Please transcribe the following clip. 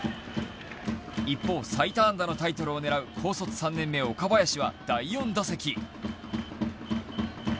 一方、最多安打のタイトルを狙う高卒３年目・岡林は第４打席。